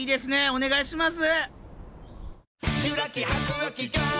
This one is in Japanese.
お願いします。